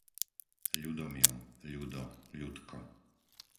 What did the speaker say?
Ľudomil, Ľudo, Ľudko